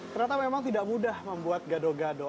ternyata memang tidak mudah membuat gaduh gaduh